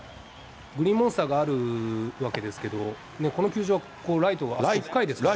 グリーンモンスターがあるわけですけれども、この球場はここのライトが深いですからね。